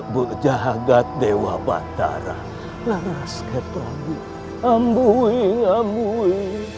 berjahat dewa batara laras ketamu ambui ambui